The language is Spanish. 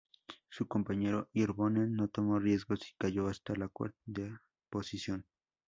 Su compañero Hirvonen no tomó riesgos y cayó hasta la cuarta posición.